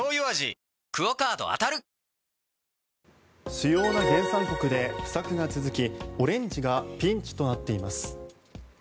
主要な原産国で不作が続きオレンジがピンチとなっています。